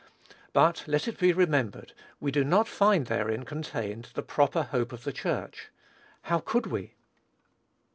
But let it be remembered, we do not find therein contained the proper hope of the Church. How could we?